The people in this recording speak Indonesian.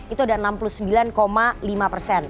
itu ada enam puluh sembilan lima persen